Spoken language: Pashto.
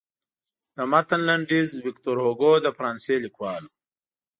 د متن لنډیز ویکتور هوګو د فرانسې نامتو لیکوال و.